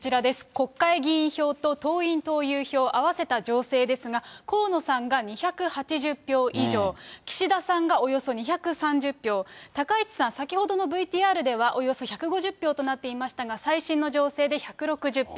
国会議員票と党員党友票合わせた情勢ですが、河野さんが２８０票以上、岸田さんがおよそ２３０票、高市さん、先ほどのＶＴＲではおよそ１５０票となっていましたが、最新の情勢で１６０票。